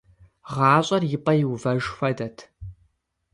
ГъащӀэр и пӀэ иувэж хуэдэт…